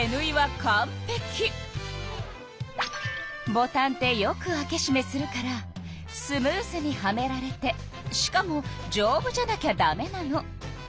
ボタンってよく開けしめするからスムーズにはめられてしかもじょうぶじゃなきゃダメなの。